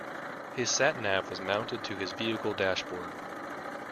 His sat nav was mounted to his vehicle dashboard